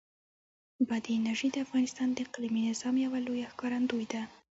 بادي انرژي د افغانستان د اقلیمي نظام یوه لویه ښکارندوی ده.